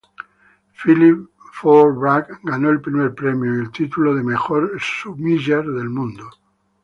Philippe Faure-Brac ganó el primer premio y el titulo de Mejor Sumiller del Mundo.